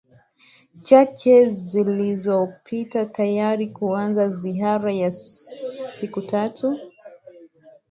chache zilizopita tayari kuanza ziara ya siku tatu